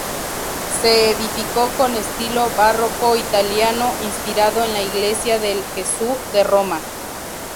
Se edificó con estilo barroco italiano, inspirado en la iglesia del Gesù de Roma.